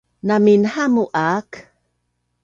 Naminhamu aak